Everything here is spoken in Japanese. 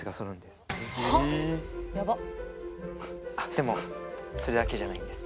でもそれだけじゃないんです。